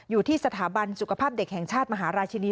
อยู่ที่สถาบันสุขภาพเด็กแห่งชาติมหาราชินี